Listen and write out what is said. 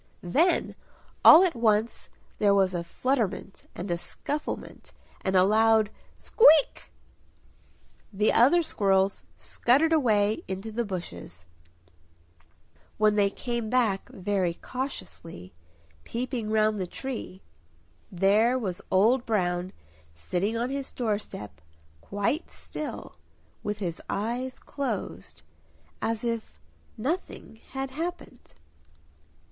Then all at once there was a flutterment and a scufflement and a loud "Squeak!" The other squirrels scuttered away into the bushes. When they came back very cautiously, peeping round the tree there was Old Brown sitting on his door step, quite still, with his eyes closed, as if nothing had happened.